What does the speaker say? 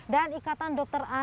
dan ikatan dokter antaranya